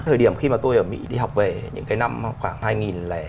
thời điểm khi mà tôi ở mỹ đi học về những cái năm khoảng hai nghìn bảy hai nghìn tám